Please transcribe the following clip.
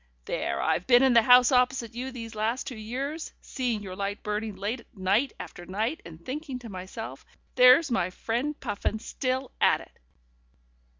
"There I've been in the house opposite you these last two years, seeing your light burning late night after night, and thinking to myself: 'There's my friend Puffin still at it!